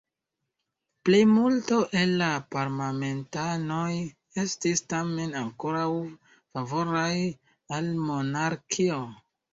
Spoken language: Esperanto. Plejmulto el la parlamentanoj estis tamen ankoraŭ favoraj al monarkio.